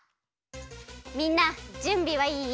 みんなじゅんびはいい？